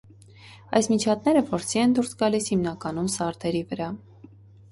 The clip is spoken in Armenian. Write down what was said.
Այս միջատները որսի են դուրս գալիս հիմնականում սարդերի վրա։